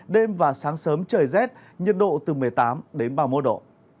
đêm và sáng sớm trời rét nhiệt độ từ một mươi tám đến ba mươi một độ